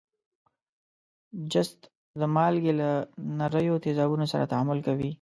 جست د مالګې له نریو تیزابو سره تعامل کوي.